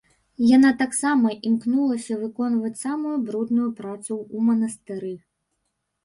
Яна таксама імкнулася выконваць самую брудную працу ў манастыры.